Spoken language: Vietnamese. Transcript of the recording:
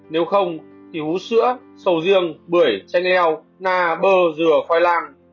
nếu không thì hú sữa sầu riêng bưởi chanh eo na bơ dừa khoai lang